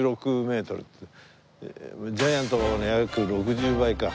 ジャイアント馬場の約６０倍か。